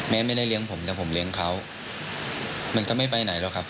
ไม่ได้เลี้ยงผมแต่ผมเลี้ยงเขามันก็ไม่ไปไหนหรอกครับ